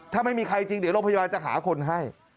ถ้าไม่มีใครจริงเดี๋ยวโรงพยาบาลจะหาคนให้